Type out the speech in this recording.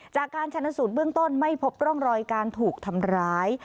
จากการชนสูตรเบื้องต้นไม่พบร่องรอยการถูกทำร้าย